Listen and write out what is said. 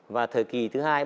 và thời kỳ thứ hai